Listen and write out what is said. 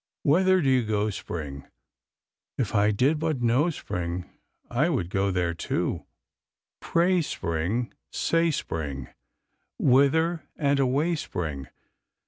Whither do you go, Spring? If I did but know. Spring, I would go there, too. Pray, Spring, Say, Spring, Whither and away, Spring?